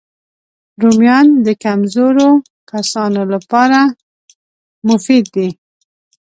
رومیان د کمزوریو کسانو لپاره مفید دي